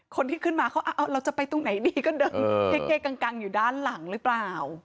คนที่ขึ้นมาเขาเราจะไปตรงไหนดีก็เดินเก๊กกังอยู่ด้านหลังหรือเปล่า